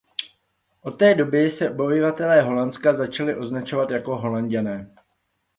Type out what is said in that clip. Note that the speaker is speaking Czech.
Od té doby se obyvatelé Holandska začali označovat jako „Holanďané“.